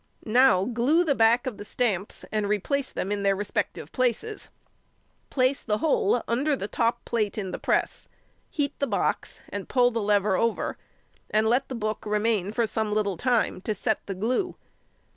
Now glue the back of the stamps and replace them in their respective places. Place the whole under the top plate in the press, heat the box, and pull the lever over; and let the book remain for some little time to set the glue.